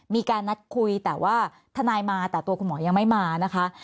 มีการนัดคุยแต่ว่าทนายมาแต่ตัวคุณหมอยังไม่มานะคะ